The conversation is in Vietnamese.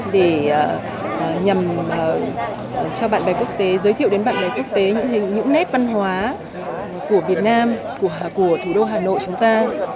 để nhằm cho bạn bè quốc tế giới thiệu đến bạn bè quốc tế những nét văn hóa của việt nam của thủ đô hà nội chúng ta